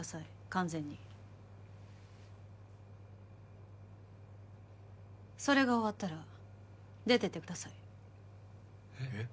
完全にそれが終わったら出てってくださいえっ？